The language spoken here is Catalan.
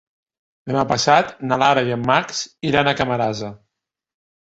Demà passat na Lara i en Max iran a Camarasa.